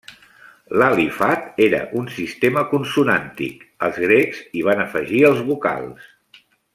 L'alifat era un sistema consonàntic, els Grecs hi van afegir els vocals.